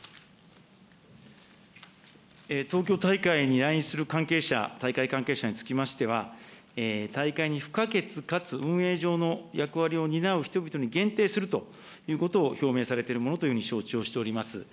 東京大会に来日する関係者、大会関係者につきましては、大会に不可欠かつ運営上の役割を担う人々に限定するということを、表明されてるものというふうに承知をしております。